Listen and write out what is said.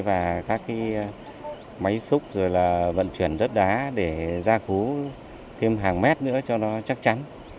và các máy xúc rồi là vận chuyển đất đá để ra cố thêm hàng mét nữa cho nó chắc chắn